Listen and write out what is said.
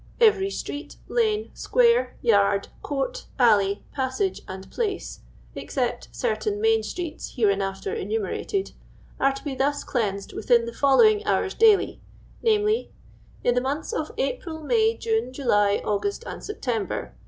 " Every Street, Lane, Square, Yard, Court, Alley, Passage, and Place (except certain main Streets hereinafter enumerated), are to be thus cleansed within the following hours Daily : namely — "In the months of April, May, June, July, August, and September.